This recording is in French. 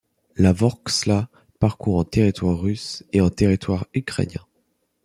La Vorksla parcourt en territoire russe et en territoire ukrainien.